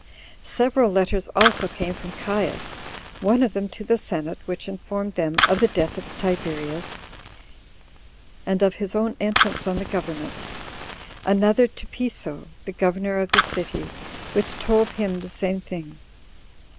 Several letters also came from Caius; one of them to the senate, which informed them of the death of Tiberius, and of his own entrance on the government; another to Piso, the governor of the city, which told him the same thing.